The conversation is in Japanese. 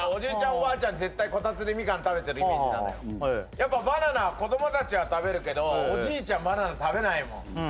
おばあちゃん絶対こたつでみかん食べてるイメージなのバナナは子どもたちは食べるけどおじいちゃんバナナ食べないもん